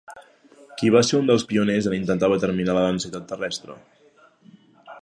Qui va ser un dels pioners en intentar determinar la densitat terrestre?